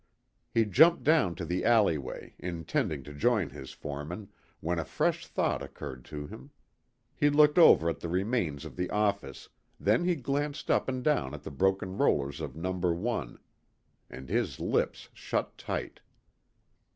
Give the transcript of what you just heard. He jumped down to the alleyway, intending to join his foreman, when a fresh thought occurred to him. He looked over at the remains of the office, then he glanced up and down at the broken rollers of No. 1. And his lips shut tight.